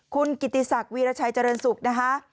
คุณกิติศักดิ์วีรชัยเจริญศุกร์นะฮะ